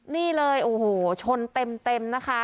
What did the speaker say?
นี่เลยโอ้โหชนเต็มนะคะ